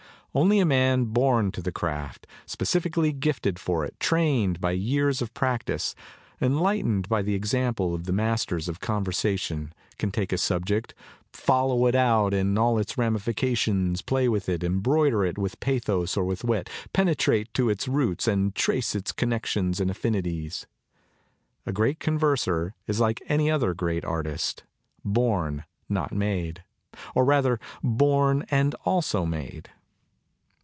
Only a man born to the craft, specifically gifted for it, trained by years of practise, enlightened by the example of the mas ters of conversation, can take a subject, "follow it out in all its ramifications, play with it, em broider it with pathos or with wit, penetrate to its roots, and trace its connexions and affinities." A great converser is like any other great artist, born not made, or rather born and also made.